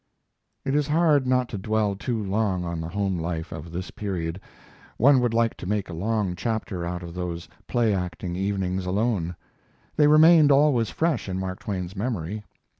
It is hard not to dwell too long on the home life of this period. One would like to make a long chapter out of those play acting evenings alone. They remained always fresh in Mark Twain's memory.